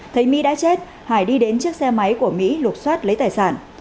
thấy mỹ đã chết hải đi đến chiếc xe máy của mỹ lục xoát lấy tài sản